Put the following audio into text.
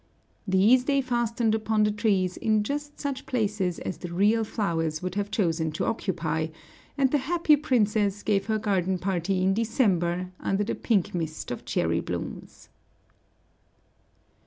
These they fastened upon the trees in just such places as the real flowers would have chosen to occupy, and the happy princess gave her garden party in December under the pink mist of cherry blooms.